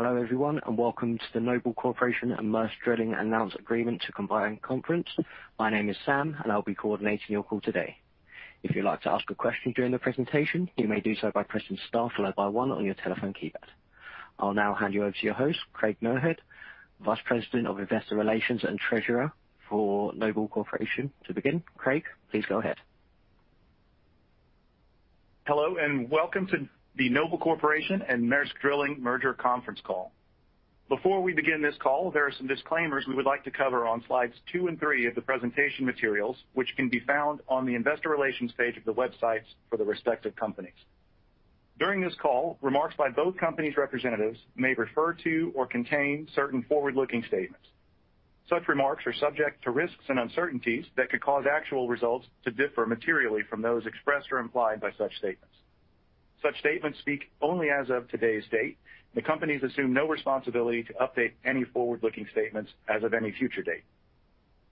Hello everyone, and welcome to the Noble Corporation and Maersk Drilling Announced Agreement to Combine Conference. My name is Sam, and I'll be coordinating your call today. If you'd like to ask a question during the presentation, you may do so by pressing star followed by one on your telephone keypad. I'll now hand you over to your host, Craig Muirhead, Vice President of Investor Relations and Treasurer for Noble Corporation. To begin, Craig, please go ahead. Hello and welcome to the Noble Corporation and Maersk Drilling Merger Conference Call. Before we begin this call, there are some disclaimers we would like to cover on slides two and three of the presentation materials, which can be found on the Investor Relations page of the websites for the respective companies. During this call, remarks by both companies' representatives may refer to or contain certain forward-looking statements. Such remarks are subject to risks and uncertainties that could cause actual results to differ materially from those expressed or implied by such statements. Such statements speak only as of today's date, and the companies assume no responsibility to update any forward-looking statements as of any future date.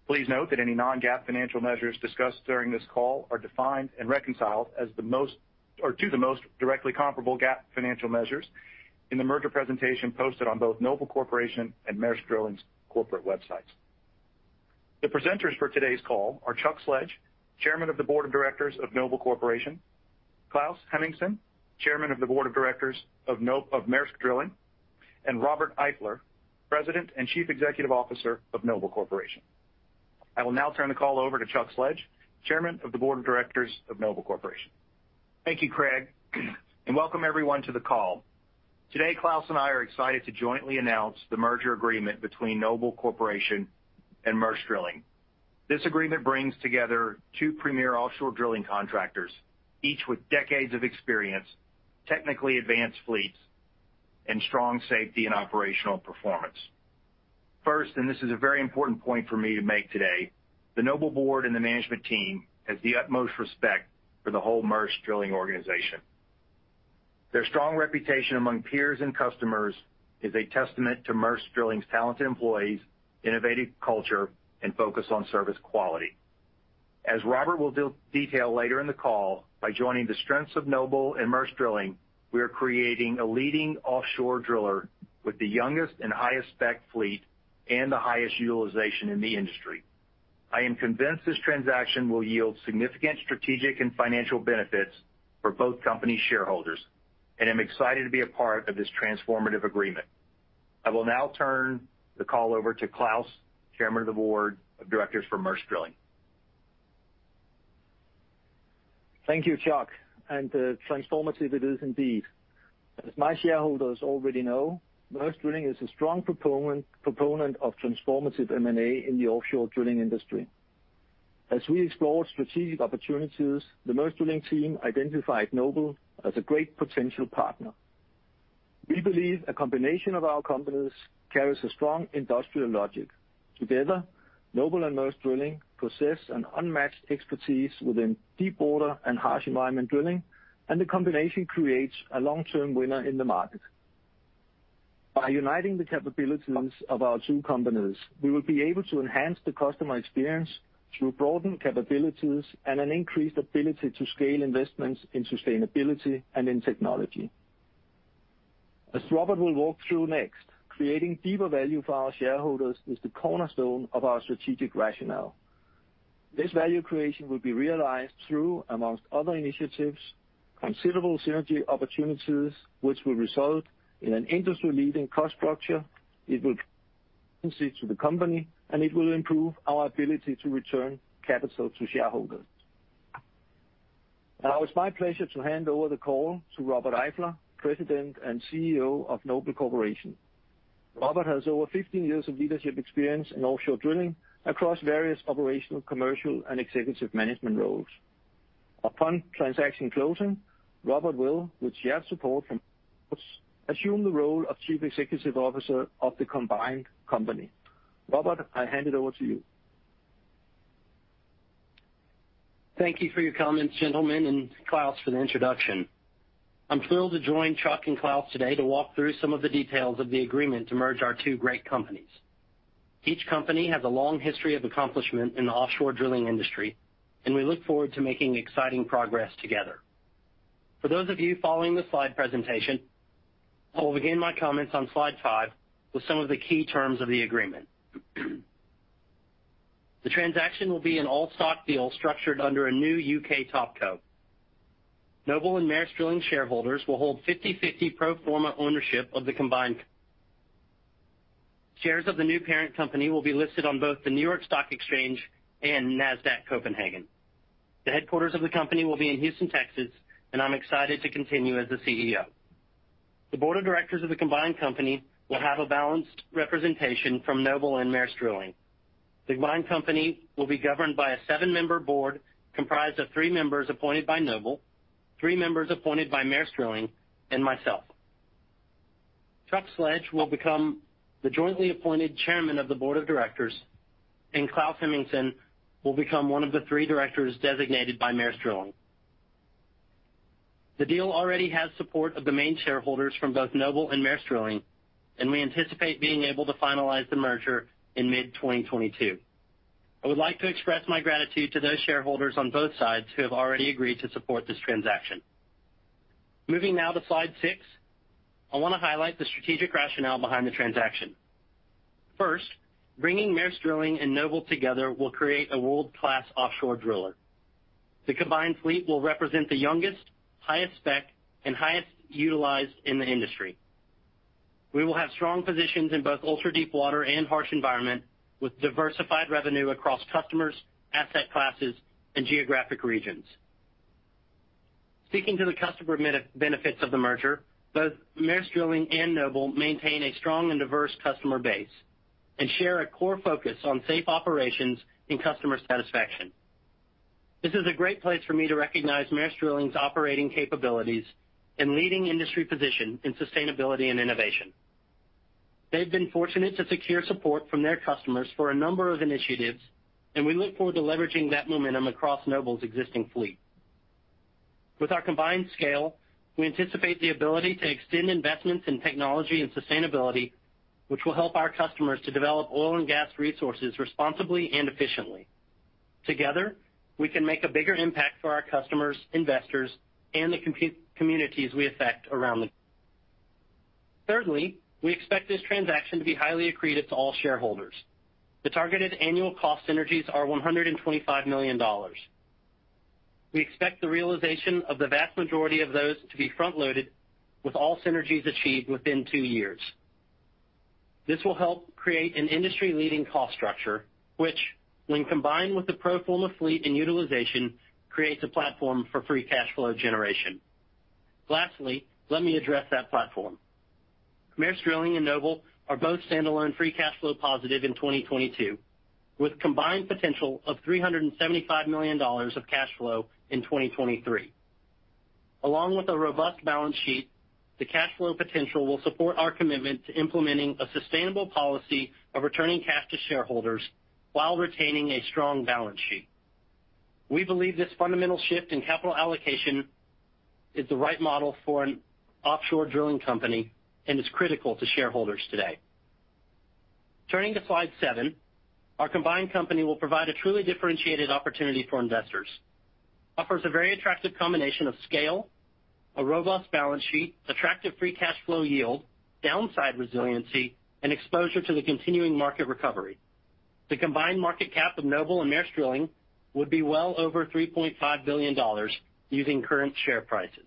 Please note that any non-GAAP financial measures discussed during this call are defined and reconciled to the most directly comparable GAAP financial measures in the merger presentation posted on both Noble Corporation and Maersk Drilling's corporate websites. The presenters for today's call are Chuck Sledge, Chairman of the Board of Directors of Noble Corporation, Claus Hemmingsen, Chairman of the Board of Directors of Maersk Drilling, and Robert Eifler, President and Chief Executive Officer of Noble Corporation. I will now turn the call over to Chuck Sledge, Chairman of the Board of Directors of Noble Corporation. Thank you, Craig, and welcome everyone to the call. Today, Claus and I are excited to jointly announce the merger agreement between Noble Corporation and Maersk Drilling. This agreement brings together two premier offshore drilling contractors, each with decades of experience, technically advanced fleets, and strong safety and operational performance. First, and this is a very important point for me to make today, the Noble Board and the management team have the utmost respect for the whole Maersk Drilling organization. Their strong reputation among peers and customers is a testament to Maersk Drilling's talented employees, innovative culture, and focus on service quality. As Robert will detail later in the call, by joining the strengths of Noble and Maersk Drilling, we are creating a leading offshore driller with the youngest and highest-spec fleet and the highest utilization in the industry. I am convinced this transaction will yield significant strategic and financial benefits for both companies' shareholders, and I'm excited to be a part of this transformative agreement. I will now turn the call over to Claus, Chairman of the Board of Directors for Maersk Drilling. Thank you, Chuck, and transformative it is indeed. As my shareholders already know, Maersk Drilling is a strong proponent of transformative M&A in the offshore drilling industry. As we explored strategic opportunities, the Maersk Drilling team identified Noble as a great potential partner. We believe a combination of our companies carries a strong industrial logic. Together, Noble and Maersk Drilling possess an unmatched expertise within deep water and harsh environment drilling, and the combination creates a long-term winner in the market. By uniting the capabilities of our two companies, we will be able to enhance the customer experience through broadened capabilities and an increased ability to scale investments in sustainability and in technology. As Robert will walk through next, creating deeper value for our shareholders is the cornerstone of our strategic rationale. This value creation will be realized through, among other initiatives, considerable synergy opportunities, which will result in an industry-leading cost structure. It will contribute to the company, and it will improve our ability to return capital to shareholders. Now, it's my pleasure to hand over the call to Robert Eifler, President and CEO of Noble Corporation. Robert has over 15 years of leadership experience in offshore drilling across various operational, commercial, and executive management roles. Upon transaction closing, Robert will, with shared support from members, assume the role of Chief Executive Officer of the Combined Company. Robert, I hand it over to you. Thank you for your comments, gentlemen, and Claus for the introduction. I'm thrilled to join Chuck and Claus today to walk through some of the details of the agreement to merge our two great companies. Each company has a long history of accomplishment in the offshore drilling industry, and we look forward to making exciting progress together. For those of you following the slide presentation, I will begin my comments on slide five with some of the key terms of the agreement. The transaction will be an all-stock deal structured under a new UK TopCo. Noble and Maersk Drilling shareholders will hold 50/50 pro forma ownership of the Combined Company. Shares of the new parent company will be listed on both the New York Stock Exchange and Nasdaq Copenhagen. The headquarters of the company will be in Houston, Texas, and I'm excited to continue as the CEO. The Board of Directors of the Combined Company will have a balanced representation from Noble and Maersk Drilling. The Combined Company will be governed by a seven-member board comprised of three members appointed by Noble, three members appointed by Maersk Drilling, and myself. Chuck Sledge will become the jointly appointed Chairman of the Board of Directors, and Claus Hemmingsen will become one of the three directors designated by Maersk Drilling. The deal already has support of the main shareholders from both Noble and Maersk Drilling, and we anticipate being able to finalize the merger in mid-2022. I would like to express my gratitude to those shareholders on both sides who have already agreed to support this transaction. Moving now to slide six, I want to highlight the strategic rationale behind the transaction. First, bringing Maersk Drilling and Noble together will create a world-class offshore driller. The Combined Fleet will represent the youngest, highest-spec, and highest-utilized in the industry. We will have strong positions in both ultra-deep water and harsh environment, with diversified revenue across customers, asset classes, and geographic regions. Speaking to the customer benefits of the merger, both Maersk Drilling and Noble maintain a strong and diverse customer base and share a core focus on safe operations and customer satisfaction. This is a great place for me to recognize Maersk Drilling's operating capabilities and leading industry position in sustainability and innovation. They've been fortunate to secure support from their customers for a number of initiatives, and we look forward to leveraging that momentum across Noble's existing fleet. With our combined scale, we anticipate the ability to extend investments in technology and sustainability, which will help our customers to develop oil and gas resources responsibly and efficiently. Together, we can make a bigger impact for our customers, investors, and the communities we affect around the globe. Thirdly, we expect this transaction to be highly accretive to all shareholders. The targeted annual cost synergies are $125 million. We expect the realization of the vast majority of those to be front-loaded, with all synergies achieved within two years. This will help create an industry-leading cost structure, which, when combined with the pro forma fleet and utilization, creates a platform for free cash flow generation. Lastly, let me address that platform. Maersk Drilling and Noble are both standalone free cash flow positive in 2022, with a combined potential of $375 million of cash flow in 2023. Along with a robust balance sheet, the cash flow potential will support our commitment to implementing a sustainable policy of returning cash to shareholders while retaining a strong balance sheet. We believe this fundamental shift in capital allocation is the right model for an offshore drilling company and is critical to shareholders today. Turning to slide seven, our Combined Company will provide a truly differentiated opportunity for investors. It offers a very attractive combination of scale, a robust balance sheet, attractive free cash flow yield, downside resiliency, and exposure to the continuing market recovery. The combined market cap of Noble and Maersk Drilling would be well over $3.5 billion using current share prices.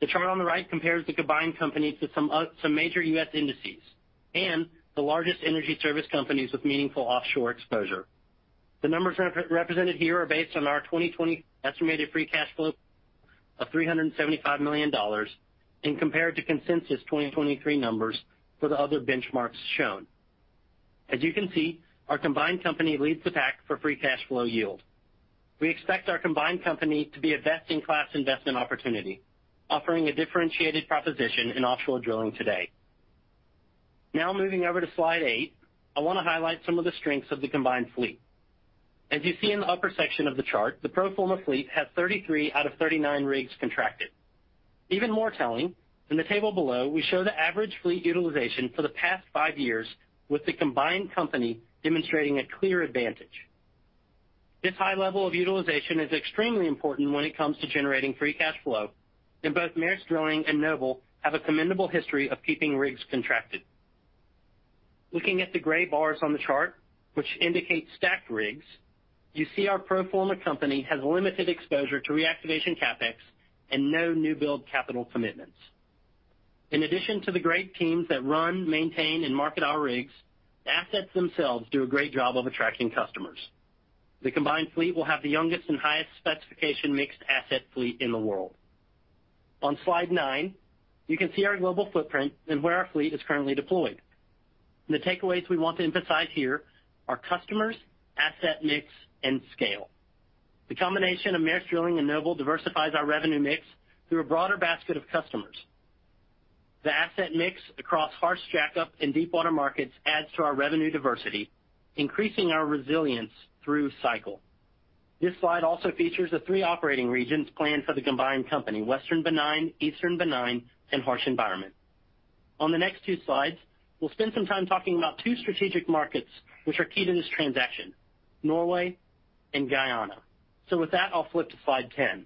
The chart on the right compares the Combined Company to some major U.S. indices and the largest energy service companies with meaningful offshore exposure. The numbers represented here are based on our 2020 estimated free cash flow of $375 million and compared to consensus 2023 numbers for the other benchmarks shown. As you can see, our Combined Company leads the pack for free cash flow yield. We expect our Combined Company to be a best-in-class investment opportunity, offering a differentiated proposition in offshore drilling today. Now, moving over to slide eight, I want to highlight some of the strengths of the Combined Fleet. As you see in the upper section of the chart, the pro forma fleet has 33 out of 39 rigs contracted. Even more telling, in the table below, we show the average fleet utilization for the past five years, with the Combined Company demonstrating a clear advantage. This high level of utilization is extremely important when it comes to generating free cash flow, and both Maersk Drilling and Noble have a commendable history of keeping rigs contracted. Looking at the gray bars on the chart, which indicate stacked rigs, you see our pro forma company has limited exposure to reactivation CapEx and no new build capital commitments. In addition to the great teams that run, maintain, and market our rigs, the assets themselves do a great job of attracting customers. The Combined Fleet will have the youngest and highest specification mixed asset fleet in the world. On slide nine, you can see our global footprint and where our fleet is currently deployed. The takeaways we want to emphasize here are customers, asset mix, and scale. The combination of Maersk Drilling and Noble diversifies our revenue mix through a broader basket of customers. The asset mix across harsh jackup and deep water markets adds to our revenue diversity, increasing our resilience through cycle. This slide also features the three operating regions planned for the Combined Company: Western Benign, Eastern Benign, and Harsh Environment. On the next two slides, we'll spend some time talking about two strategic markets which are key to this transaction: Norway and Guyana. With that, I'll flip to slide ten.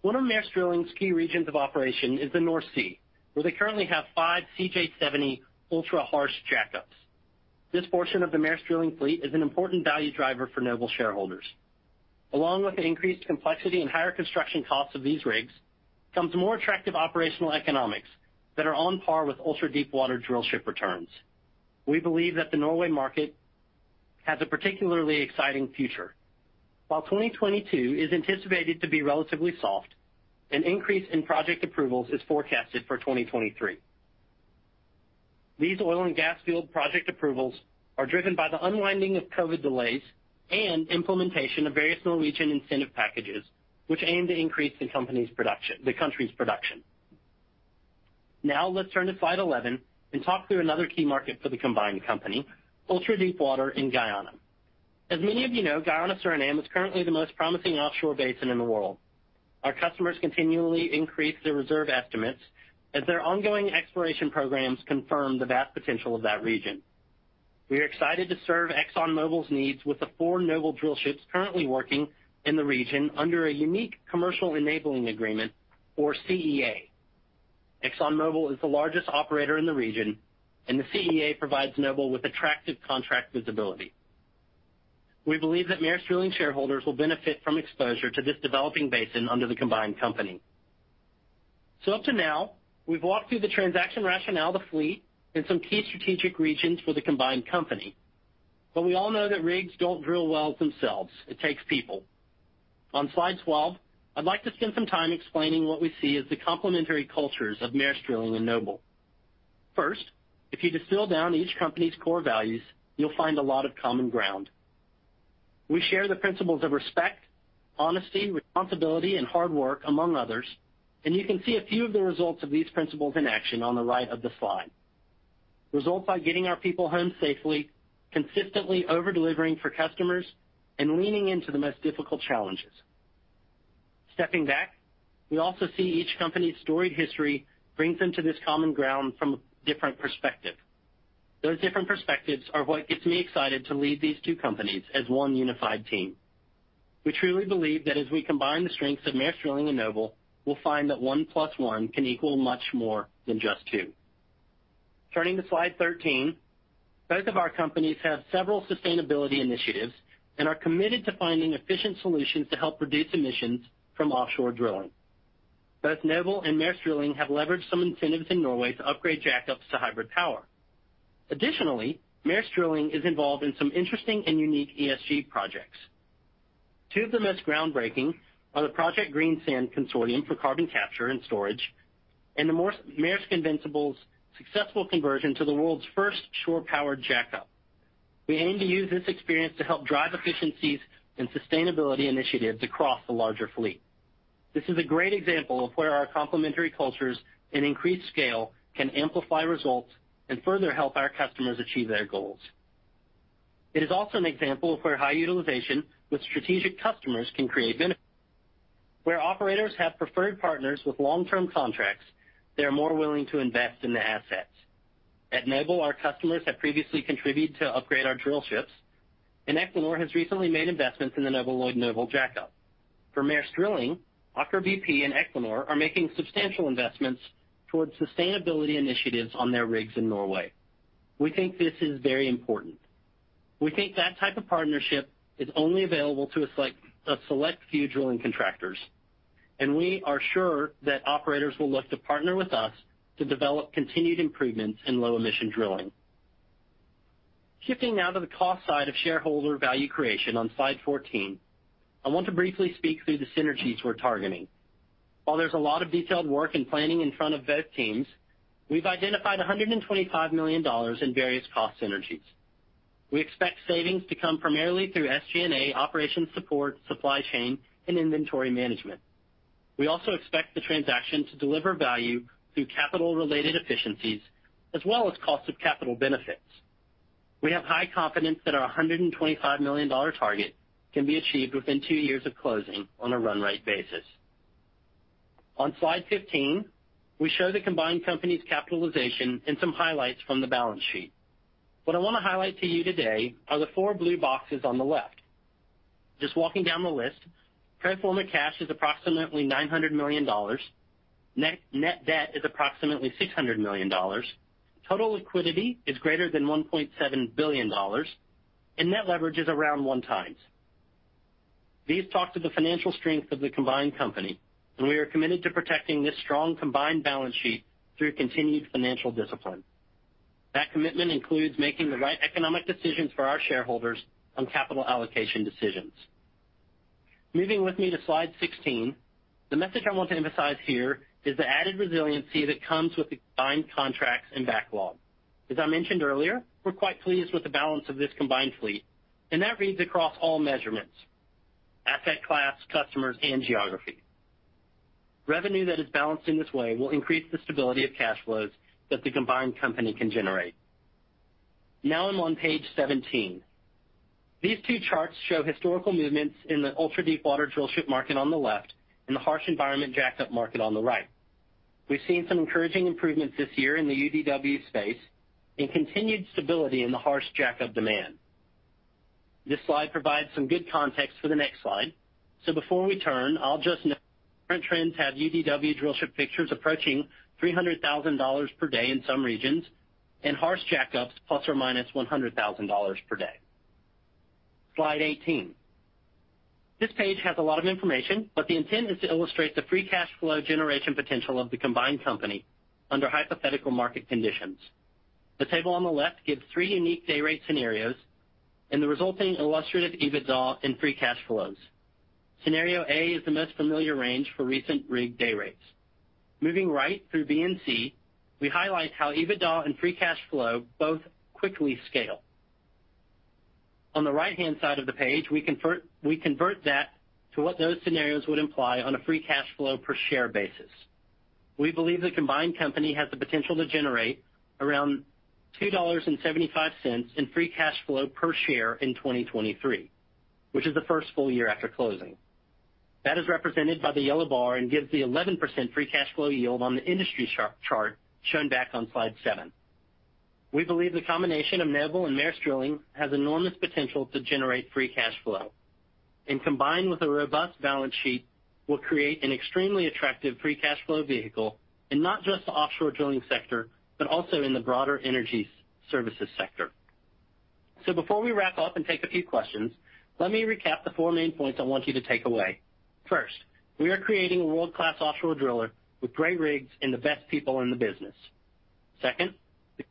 One of Maersk Drilling's key regions of operation is the North Sea, where they currently have five CJ70 ultra-harsh jackups. This portion of the Maersk Drilling fleet is an important value driver for Noble shareholders. Along with the increased complexity and higher construction costs of these rigs comes more attractive operational economics that are on par with ultra-deepwater drillship returns. We believe that the Norway market has a particularly exciting future. While 2022 is anticipated to be relatively soft, an increase in project approvals is forecasted for 2023. These oil and gas field project approvals are driven by the unwinding of COVID delays and implementation of various Norwegian incentive packages, which aim to increase the country's production. Now, let's turn to slide 11 and talk through another key market for the Combined Company: ultra-deepwater in Guyana. As many of you know, Guyana-Suriname is currently the most promising offshore basin in the world. Our customers continually increase their reserve estimates as their ongoing exploration programs confirm the vast potential of that region. We are excited to serve ExxonMobil's needs with the four Noble drill ships currently working in the region under a unique commercial enabling agreement, or CEA. ExxonMobil is the largest operator in the region, and the CEA provides Noble with attractive contract visibility. We believe that Maersk Drilling shareholders will benefit from exposure to this developing basin under the Combined Company. So up to now, we've walked through the transaction rationale, the fleet, and some key strategic regions for the Combined Company. But we all know that rigs don't drill well themselves. It takes people. On slide 12, I'd like to spend some time explaining what we see as the complementary cultures of Maersk Drilling and Noble. First, if you distill down each company's core values, you'll find a lot of common ground. We share the principles of respect, honesty, responsibility, and hard work, among others, and you can see a few of the results of these principles in action on the right of the slide. Results by getting our people home safely, consistently over-delivering for customers, and leaning into the most difficult challenges. Stepping back, we also see each company's storied history brings them to this common ground from a different perspective. Those different perspectives are what gets me excited to lead these two companies as one unified team. We truly believe that as we combine the strengths of Maersk Drilling and Noble, we'll find that one plus one can equal much more than just two. Turning to slide 13, both of our companies have several sustainability initiatives and are committed to finding efficient solutions to help reduce emissions from offshore drilling. Both Noble and Maersk Drilling have leveraged some incentives in Norway to upgrade jackups to hybrid power. Additionally, Maersk Drilling is involved in some interesting and unique ESG projects. Two of the most groundbreaking are the Project Greensand Consortium for Carbon Capture and Storage and the Maersk Invincible's successful conversion to the world's first shore-powered jackup. We aim to use this experience to help drive efficiencies and sustainability initiatives across the larger fleet. This is a great example of where our complementary cultures and increased scale can amplify results and further help our customers achieve their goals. It is also an example of where high utilization with strategic customers can create benefits. Where operators have preferred partners with long-term contracts, they are more willing to invest in the assets. At Noble, our customers have previously contributed to upgrade our drill ships, and Equinor has recently made investments in the Noble Lloyd Noble jackup. For Maersk Drilling, Aker BP and Equinor are making substantial investments towards sustainability initiatives on their rigs in Norway. We think this is very important. We think that type of partnership is only available to a select few drilling contractors, and we are sure that operators will look to partner with us to develop continued improvements in low-emission drilling. Shifting now to the cost side of shareholder value creation on slide 14, I want to briefly speak through the synergies we're targeting. While there's a lot of detailed work and planning in front of both teams, we've identified $125 million in various cost synergies. We expect savings to come primarily through SG&A, operations support, supply chain, and inventory management. We also expect the transaction to deliver value through capital-related efficiencies as well as cost of capital benefits. We have high confidence that our $125 million target can be achieved within two years of closing on a run-rate basis. On slide 15, we show the Combined Company's capitalization and some highlights from the balance sheet. What I want to highlight to you today are the four blue boxes on the left. Just walking down the list, pro forma cash is approximately $900 million, net debt is approximately $600 million, total liquidity is greater than $1.7 billion, and net leverage is around one times. These talk to the financial strength of the Combined Company, and we are committed to protecting this strong combined balance sheet through continued financial discipline. That commitment includes making the right economic decisions for our shareholders on capital allocation decisions. Moving with me to slide 16, the message I want to emphasize here is the added resiliency that comes with the combined contracts and backlog. As I mentioned earlier, we're quite pleased with the balance of this combined fleet, and that reads across all measurements: asset class, customers, and geography. Revenue that is balanced in this way will increase the stability of cash flows that the Combined Company can generate. Now I'm on page 17. These two charts show historical movements in the ultra-deepwater drillship market on the left and the harsh environment jackup market on the right. We've seen some encouraging improvements this year in the UDW space and continued stability in the harsh jackup demand. This slide provides some good context for the next slide. So before we turn, I'll just note current trends have UDW drillship fixtures approaching $300,000 per day in some regions and harsh jackups plus or minus $100,000 per day. Slide 18. This page has a lot of information, but the intent is to illustrate the free cash flow generation potential of the Combined Company under hypothetical market conditions. The table on the left gives three unique day rate scenarios and the resulting illustrative EBITDA and free cash flows. Scenario A is the most familiar range for recent rig day rates. Moving right through B and C, we highlight how EBITDA and free cash flow both quickly scale. On the right-hand side of the page, we convert that to what those scenarios would imply on a free cash flow per share basis. We believe the Combined Company has the potential to generate around $2.75 in free cash flow per share in 2023, which is the first full year after closing. That is represented by the yellow bar and gives the 11% free cash flow yield on the industry chart shown back on slide seven. We believe the combination of Noble and Maersk Drilling has enormous potential to generate free cash flow, and combined with a robust balance sheet, we'll create an extremely attractive free cash flow vehicle in not just the offshore drilling sector, but also in the broader energy services sector, so before we wrap up and take a few questions, let me recap the four main points I want you to take away. First, we are creating a world-class offshore driller with great rigs and the best people in the business. Second, we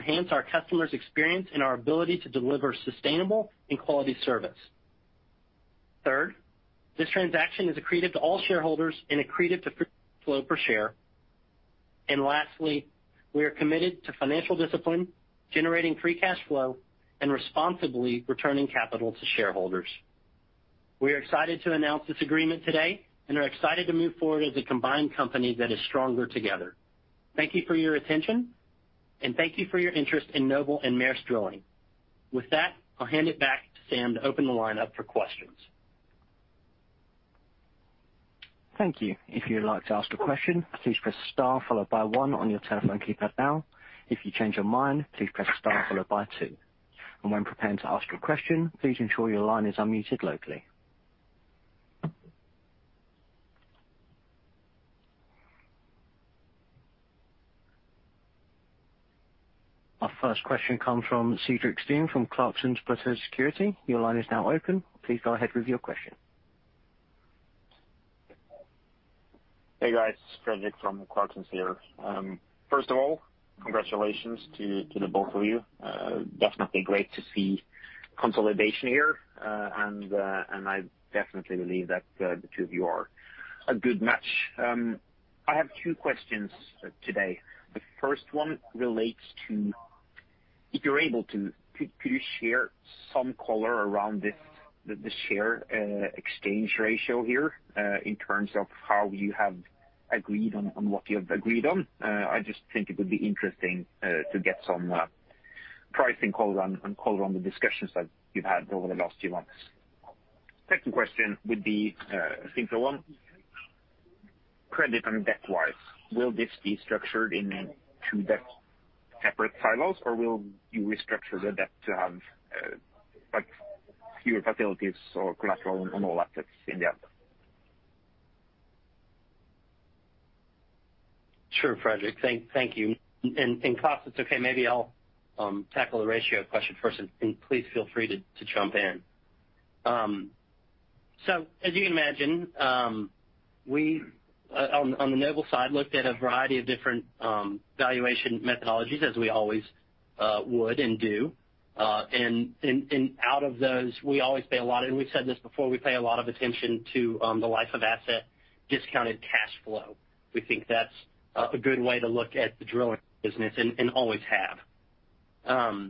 enhance our customers' experience and our ability to deliver sustainable and quality service. Third, this transaction is accretive to all shareholders and accretive to free cash flow per share. And lastly, we are committed to financial discipline, generating free cash flow, and responsibly returning capital to shareholders. We are excited to announce this agreement today and are excited to move forward as a Combined Company that is stronger together. Thank you for your attention, and thank you for your interest in Noble and Maersk Drilling. With that, I'll hand it back to Sam to open the line up for questions. Thank you. If you'd like to ask a question, please press star followed by one on your telephone keypad now. If you change your mind, please press star followed by two, and when preparing to ask your question, please ensure your line is unmuted locally. Our first question comes from Fredrik Stene from Clarksons Platou Securities. Your line is now open. Please go ahead with your question. Hey, guys. Fredrik from Clarksons here. First of all, congratulations to the both of you. Definitely great to see consolidation here, and I definitely believe that the two of you are a good match. I have two questions today. The first one relates to, if you're able to, could you share some color around the share exchange ratio here in terms of how you have agreed on what you have agreed on? I just think it would be interesting to get some pricing color on the discussions that you've had over the last few months. Second question would be a simple one. Credit and debt-wise, will this be structured into separate silos, or will you restructure the debt to have fewer facilities or collateral on all assets in the end? Sure, Fredrik. Thank you. And Claus, it's okay. Maybe I'll tackle the ratio question first, and please feel free to jump in. So as you can imagine, we on the Noble side looked at a variety of different valuation methodologies as we always would and do. And out of those, we always pay a lot of—and we've said this before—we pay a lot of attention to the life of asset discounted cash flow. We think that's a good way to look at the drilling business and always have.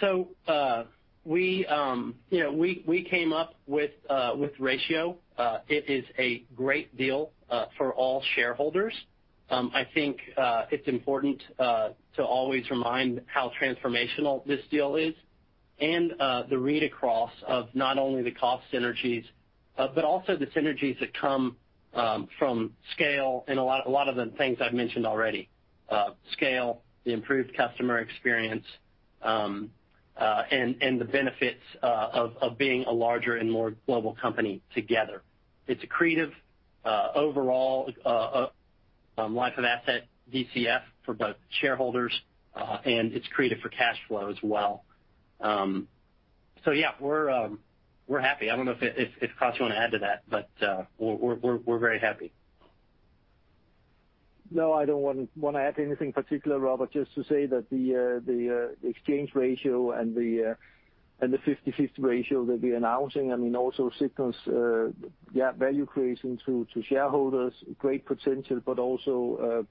So we came up with ratio. It is a great deal for all shareholders. I think it's important to always remind how transformational this deal is and the read across of not only the cost synergies, but also the synergies that come from scale and a lot of the things I've mentioned already: scale, the improved customer experience, and the benefits of being a larger and more global company together. It's accretive overall life of asset FCF for both shareholders, and it's accretive for cash flow as well. So yeah, we're happy. I don't know if Claus wanted to add to that, but we're very happy. No, I don't want to add anything particular, Robert, just to say that the exchange ratio and the 50/50 ratio that we're announcing, I mean, also signals value creation to shareholders, great potential, but also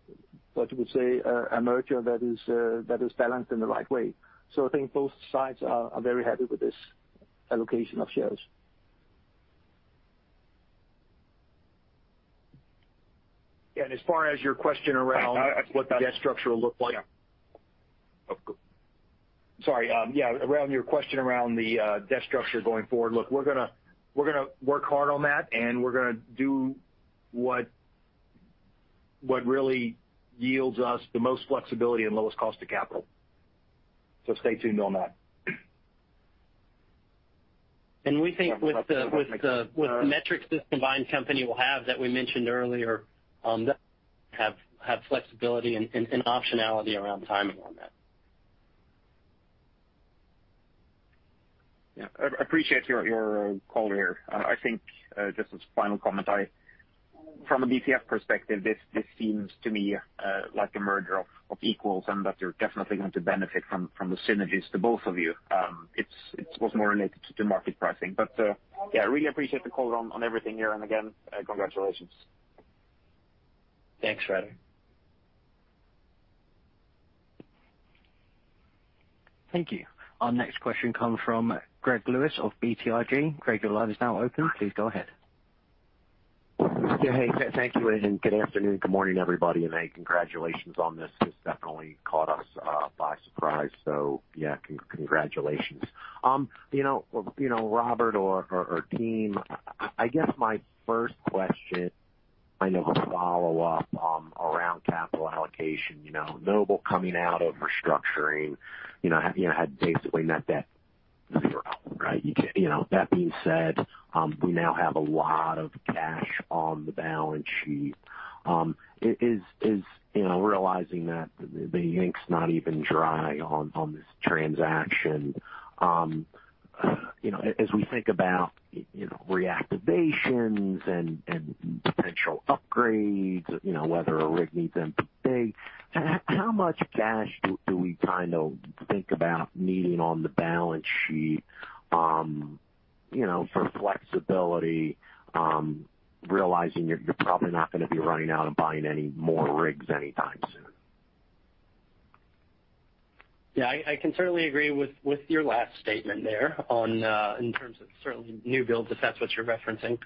what you would say a merger that is balanced in the right way. So I think both sides are very happy with this allocation of shares. Yeah, and as far as your question around. Yeah, what that? Debt structure will look like. Yeah. Oh, cool. Sorry. Yeah, around your question around the debt structure going forward, look, we're going to work hard on that, and we're going to do what really yields us the most flexibility and lowest cost of capital. So stay tuned on that. We think with the metrics this combined company will have that we mentioned earlier, that we have flexibility and optionality around timing on that. Yeah, I appreciate your call here. I think just as a final comment, from a BP perspective, this seems to me like a merger of equals and that you're definitely going to benefit from the synergies to both of you. It was more related to market pricing. But yeah, I really appreciate the call on everything here, and again, congratulations. Thanks, Frederick. Thank you. Our next question comes from Greg Lewis of BTIG. Greg, your line is now open. Please go ahead. Hey, thank you, and good afternoon, good morning, everybody. And hey, congratulations on this. This definitely caught us by surprise. So yeah, congratulations. Robert or team, I guess my first question is kind of a follow-up around capital allocation. Noble coming out of restructuring had basically net debt zero, right? That being said, we now have a lot of cash on the balance sheet. Realizing that the ink's not even dry on this transaction, as we think about reactivations and potential upgrades, whether a rig needs MPD, how much cash do we kind of think about needing on the balance sheet for flexibility, realizing you're probably not going to be running out and buying any more rigs anytime soon? Yeah, I can certainly agree with your last statement there in terms of certainly new builds, if that's what you're referencing.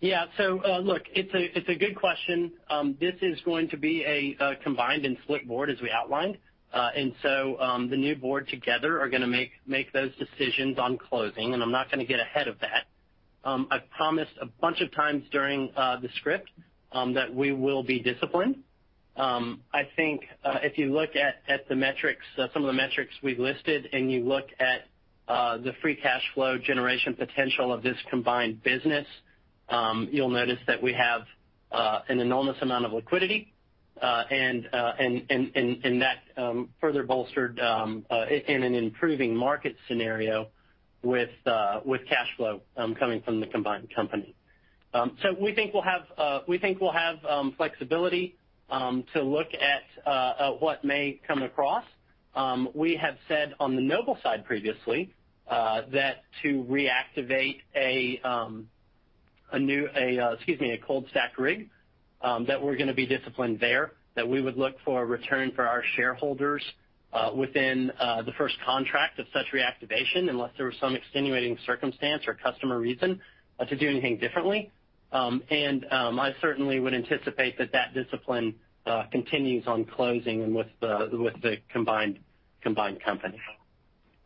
Yeah, so look, it's a good question. This is going to be a combined and split board, as we outlined, and so the new board together are going to make those decisions on closing, and I'm not going to get ahead of that. I've promised a bunch of times during the script that we will be disciplined. I think if you look at the metrics, some of the metrics we've listed, and you look at the Free Cash Flow generation potential of this combined business, you'll notice that we have an enormous amount of liquidity, and that further bolstered in an improving market scenario with cash flow coming from the combined company, so we think we'll have flexibility to look at what may come across. We have said on the Noble side previously that to reactivate a new, excuse me, a cold stack rig, that we're going to be disciplined there, that we would look for a return for our shareholders within the first contract of such reactivation, unless there was some extenuating circumstance or customer reason to do anything differently, and I certainly would anticipate that discipline continues on closing and with the combined company.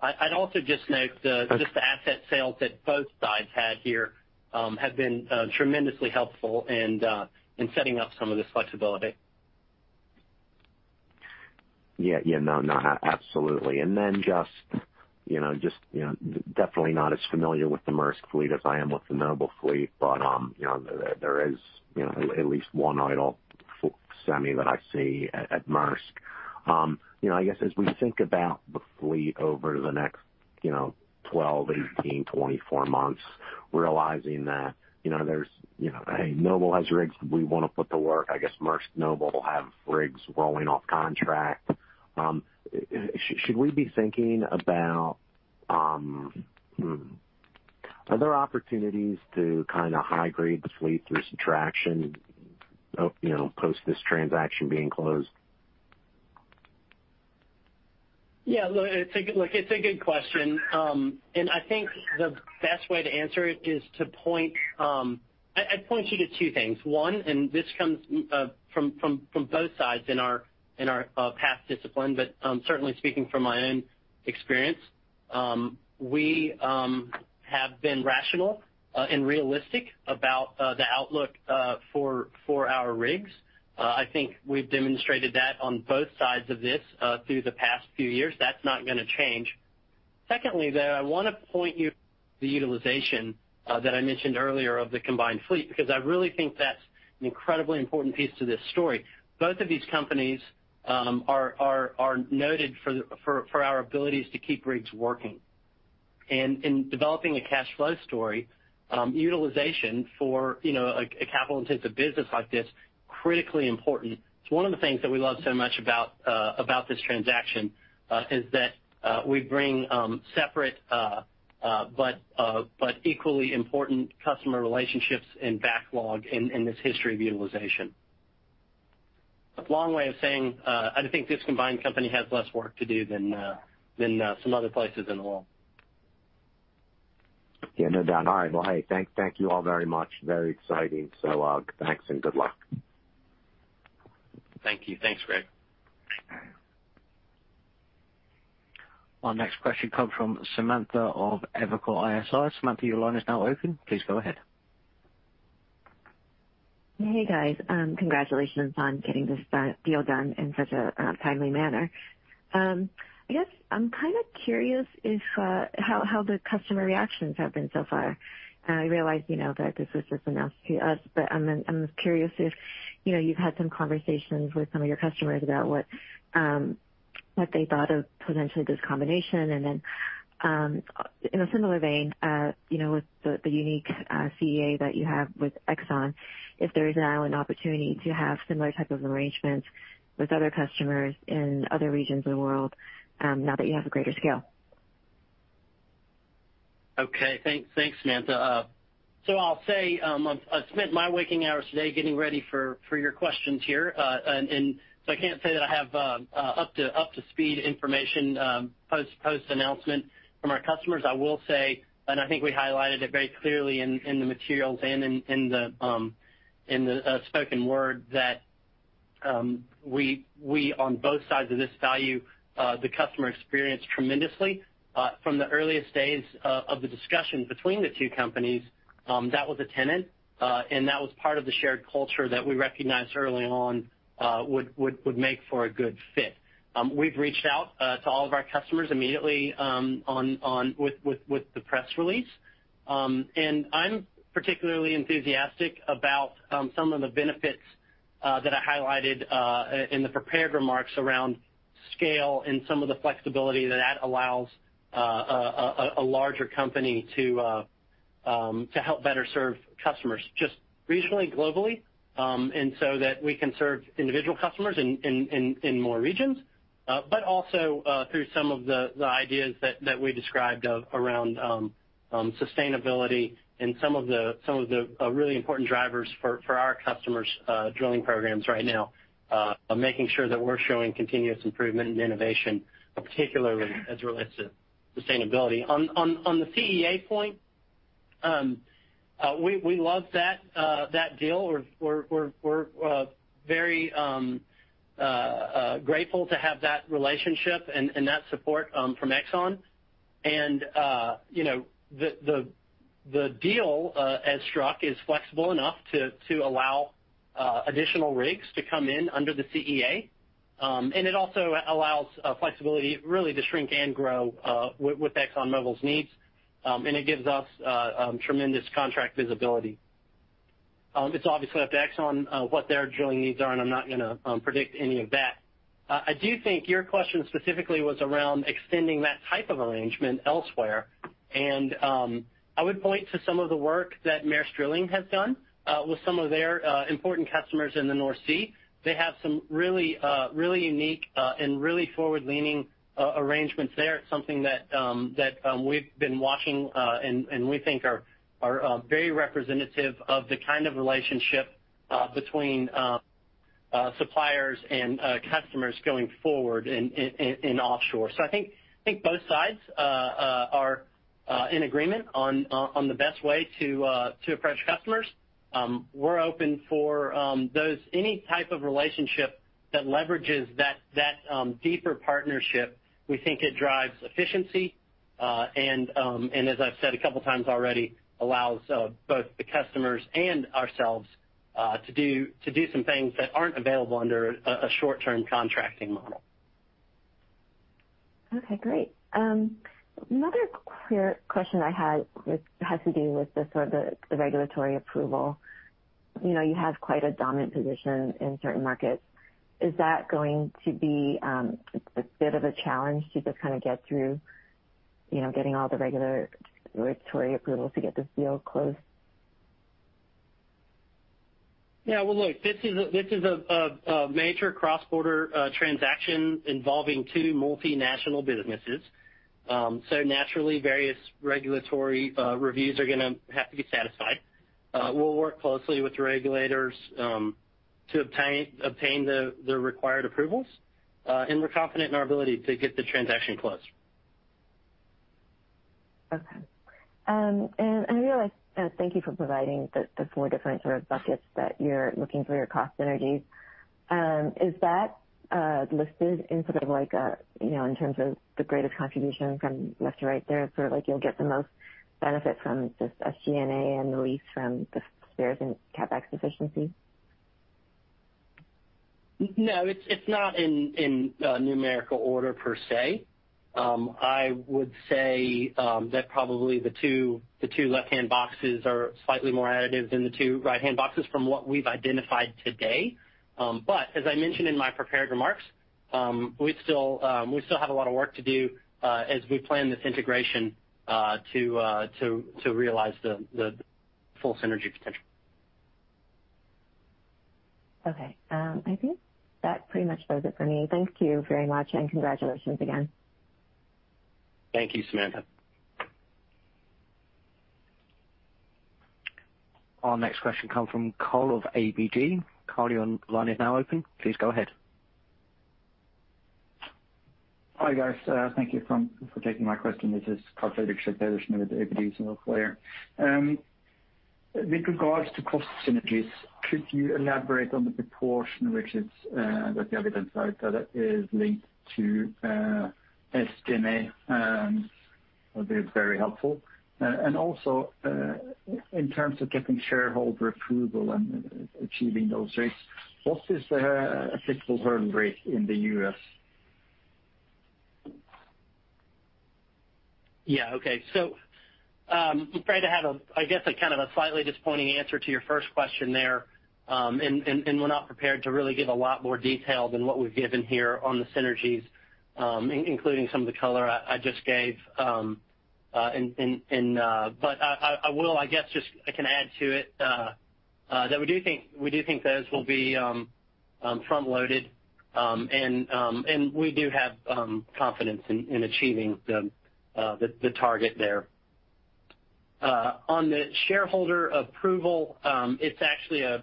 I'd also just note the asset sales that both sides had here have been tremendously helpful in setting up some of this flexibility. Yeah, yeah, no, no, absolutely. And then just definitely not as familiar with the Maersk fleet as I am with the Noble fleet, but there is at least one idle semi that I see at Maersk. I guess as we think about the fleet over the next 12, 18, 24 months, realizing that there's, hey, Noble has rigs we want to put to work. I guess Maersk, Noble have rigs rolling off contract. Should we be thinking about other opportunities to kind of high-grade the fleet through subtraction post this transaction being closed? Yeah, look, it's a good question. And I think the best way to answer it is to point you to two things. One, and this comes from both sides in our past discipline, but certainly speaking from my own experience, we have been rational and realistic about the outlook for our rigs. I think we've demonstrated that on both sides of this through the past few years. That's not going to change. Secondly, though, I want to point you to the utilization that I mentioned earlier of the combined fleet because I really think that's an incredibly important piece to this story. Both of these companies are noted for our abilities to keep rigs working. And in developing a cash flow story, utilization for a capital-intensive business like this is critically important. It's one of the things that we love so much about this transaction is that we bring separate but equally important customer relationships and backlog in this history of utilization. A long way of saying I think this combined company has less work to do than some other places in the world. Yeah, no doubt. All right, well, hey, thank you all very much. Very exciting. So thanks and good luck. Thank you. Thanks, Greg. Our next question comes from Samantha of Evercore ISI. Samantha, your line is now open. Please go ahead. Hey, guys. Congratulations on getting this deal done in such a timely manner. I guess I'm kind of curious how the customer reactions have been so far. I realize that this was just announced to us, but I'm curious if you've had some conversations with some of your customers about what they thought of potentially this combination? And then in a similar vein, with the unique CEA that you have with Exxon, if there is now an opportunity to have similar types of arrangements with other customers in other regions of the world now that you have a greater scale? Okay, thanks, Samantha. So I'll say I've spent my waking hours today getting ready for your questions here. And so I can't say that I have up-to-speed information post-announcement from our customers. I will say, and I think we highlighted it very clearly in the materials and in the spoken word, that we on both sides of this value the customer experience tremendously. From the earliest days of the discussion between the two companies, that was a tenet, and that was part of the shared culture that we recognized early on would make for a good fit. We've reached out to all of our customers immediately with the press release. I'm particularly enthusiastic about some of the benefits that I highlighted in the prepared remarks around scale and some of the flexibility that that allows a larger company to help better serve customers just regionally, globally, and so that we can serve individual customers in more regions, but also through some of the ideas that we described around sustainability and some of the really important drivers for our customers' drilling programs right now, making sure that we're showing continuous improvement and innovation, particularly as related to sustainability. On the CEA point, we love that deal. We're very grateful to have that relationship and that support from Exxon. The deal, as struck, is flexible enough to allow additional rigs to come in under the CEA. It also allows flexibility really to shrink and grow with ExxonMobil's needs. It gives us tremendous contract visibility. It's obviously up to Exxon what their drilling needs are, and I'm not going to predict any of that. I do think your question specifically was around extending that type of arrangement elsewhere. And I would point to some of the work that Maersk Drilling has done with some of their important customers in the North Sea. They have some really unique and really forward-leaning arrangements there. It's something that we've been watching and we think are very representative of the kind of relationship between suppliers and customers going forward in offshore. So I think both sides are in agreement on the best way to approach customers. We're open for any type of relationship that leverages that deeper partnership. We think it drives efficiency and, as I've said a couple of times already, allows both the customers and ourselves to do some things that aren't available under a short-term contracting model. Okay, great. Another question I had has to do with the regulatory approval. You have quite a dominant position in certain markets. Is that going to be a bit of a challenge to just kind of get through getting all the regulatory approvals to get this deal closed? Yeah, well, look, this is a major cross-border transaction involving two multinational businesses. So naturally, various regulatory reviews are going to have to be satisfied. We'll work closely with regulators to obtain the required approvals, and we're confident in our ability to get the transaction closed. Okay. And I realized, thank you for providing the four different sort of buckets that you're looking for your cost synergies. Is that listed in sort of like in terms of the greatest contribution from left to right there, sort of like you'll get the most benefit from just SG&A and the least from the spares and CapEx efficiency? No, it's not in numerical order per se. I would say that probably the two left-hand boxes are slightly more additive than the two right-hand boxes from what we've identified today. But as I mentioned in my prepared remarks, we still have a lot of work to do as we plan this integration to realize the full synergy potential. Okay. I think that pretty much does it for me. Thank you very much and congratulations again. Thank you, Samantha. Our next question comes from Karl of ABG. Karl, your line is now open. Please go ahead. Hi guys. Thank you for taking my question. This is Karl Fredrik at Evercore ISI. With regards to cost synergies, could you elaborate on the proportion which is that the evidence out there that is linked to SG&A? That would be very helpful, and also in terms of getting shareholder approval and achieving those rates, what is the applicable hurdle rate in the U.S.? Yeah, okay. So I'm afraid to have, I guess, a kind of a slightly disappointing answer to your first question there. And we're not prepared to really give a lot more detail than what we've given here on the synergies, including some of the color I just gave. But I will, I guess, just, I can add to it that we do think those will be front-loaded. And we do have confidence in achieving the target there. On the shareholder approval, it's actually a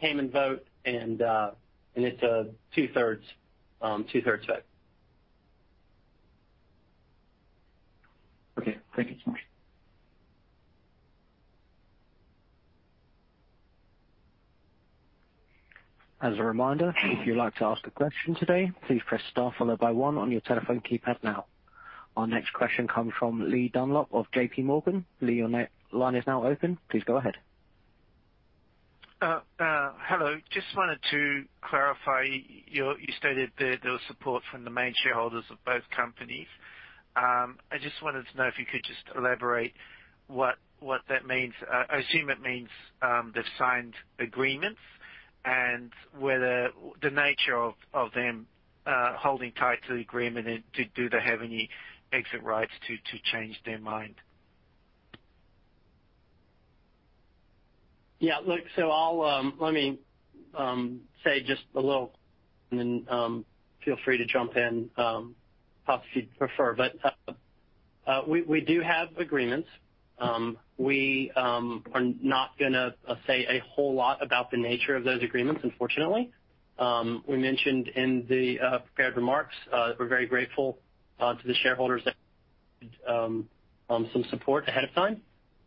Cayman vote, and it's a two-thirds vote. Okay, thank you so much. As a reminder, if you'd like to ask a question today, please press star followed by one on your telephone keypad now. Our next question comes from Lee Dunlop of J.P. Morgan. Lee, your line is now open. Please go ahead. Hello. Just wanted to clarify you stated there was support from the main shareholders of both companies. I just wanted to know if you could just elaborate what that means. I assume it means they've signed agreements and whether the nature of them holding tight to the agreement and do they have any exit rights to change their mind. Yeah, look, so I'll let me say just a little and then feel free to jump in if you'd prefer. But we do have agreements. We are not going to say a whole lot about the nature of those agreements, unfortunately. We mentioned in the prepared remarks that we're very grateful to the shareholders that some support ahead of time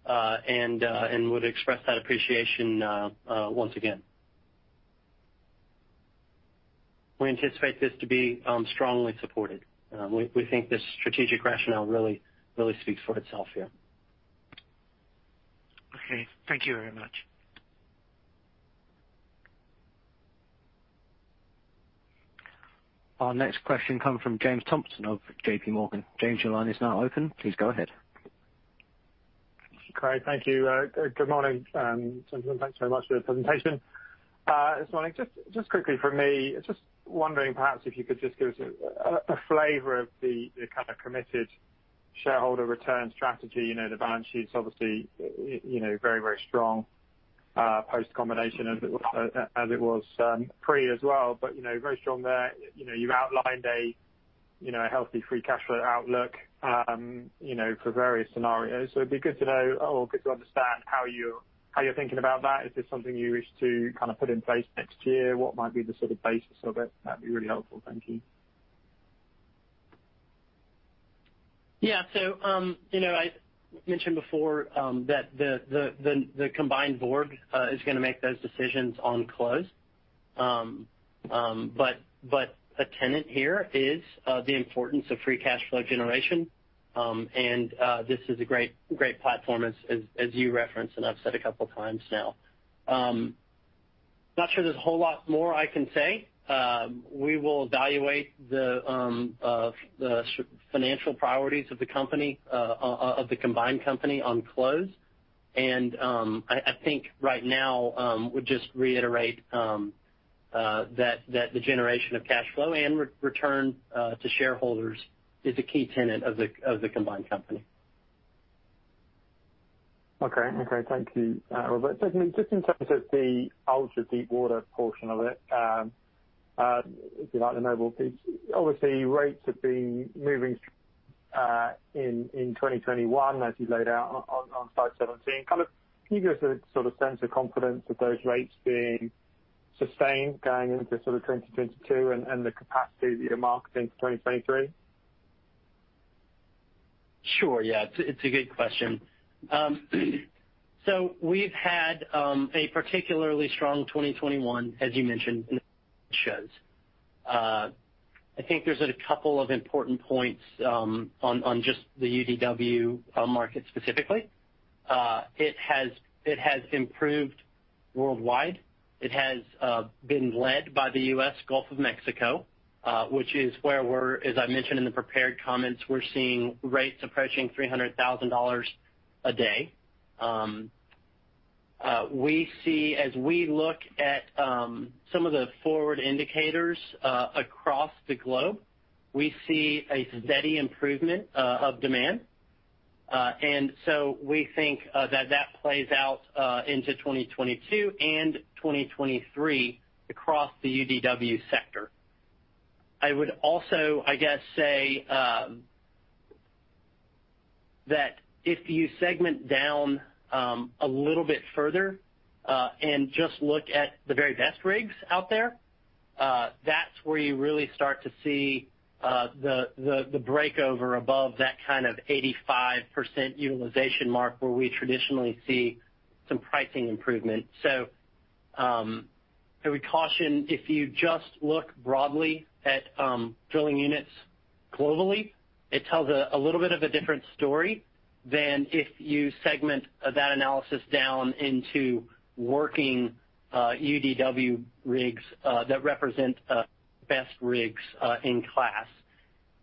and would express that appreciation once again. We anticipate this to be strongly supported. We think this strategic rationale really speaks for itself here. Okay, thank you very much. Our next question comes from James Thompson of J.P. Morgan. James, your line is now open. Please go ahead. Hi, thank you. Good morning, gentlemen. Thanks very much for the presentation. This morning, just quickly for me, just wondering perhaps if you could just give us a flavor of the kind of committed shareholder return strategy. The balance sheet is obviously very, very strong post-combination as it was pre as well, but very strong there. You outlined a healthy free cash flow outlook for various scenarios. So it'd be good to know or good to understand how you're thinking about that. Is this something you wish to kind of put in place next year? What might be the sort of basis of it? That'd be really helpful. Thank you. Yeah, so I mentioned before that the combined board is going to make those decisions on close. But a tenet here is the importance of free cash flow generation. And this is a great platform, as you referenced, and I've said a couple of times now. Not sure there's a whole lot more I can say. We will evaluate the financial priorities of the company, of the combined company on close. And I think right now we'd just reiterate that the generation of cash flow and return to shareholders is a key tenet of the combined company. Okay, okay. Thank you, Robert. Just in terms of the ultra deep water portion of it, if you'd like to know more, please. Obviously, rates have been moving in 2021, as you laid out on slide 17. Kind of can you give us a sort of sense of confidence of those rates being sustained going into sort of 2022 and the capacity that you're marketing for 2023? Sure, yeah. It's a good question. So we've had a particularly strong 2021, as you mentioned, in the shares. I think there's a couple of important points on just the UDW market specifically. It has improved worldwide. It has been led by the U.S. Gulf of Mexico, which is where we're, as I mentioned in the prepared comments, we're seeing rates approaching $300,000 a day. As we look at some of the forward indicators across the globe, we see a steady improvement of demand. And so we think that that plays out into 2022 and 2023 across the UDW sector. I would also, I guess, say that if you segment down a little bit further and just look at the very best rigs out there, that's where you really start to see the breakover above that kind of 85% utilization mark where we traditionally see some pricing improvement. So I would caution, if you just look broadly at drilling units globally, it tells a little bit of a different story than if you segment that analysis down into working UDW rigs that represent best rigs in class.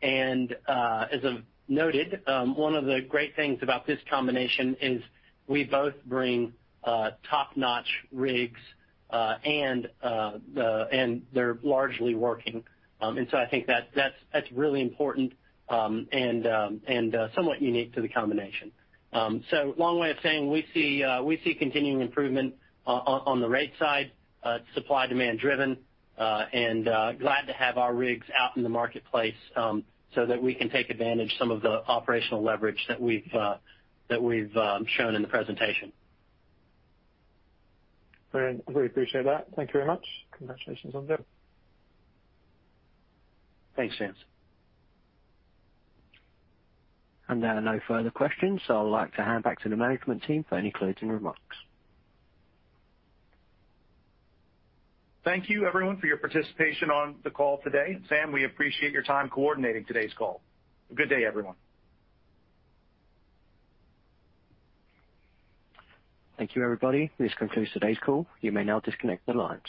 And as I've noted, one of the great things about this combination is we both bring top-notch rigs and they're largely working. And so I think that's really important and somewhat unique to the combination. So, long way of saying, we see continuing improvement on the rate side, supply-demand driven, and glad to have our rigs out in the marketplace so that we can take advantage of some of the operational leverage that we've shown in the presentation. I really appreciate that. Thank you very much. Congratulations on that. Thanks, James. There are no further questions, so I'd like to hand back to the management team for any closing remarks. Thank you, everyone, for your participation on the call today. Sam, we appreciate your time coordinating today's call. Have a good day, everyone. Thank you, everybody. This concludes today's call. You may now disconnect the lines.